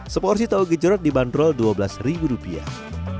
seporsi tahu gejerot dibanderol dua belas rupiah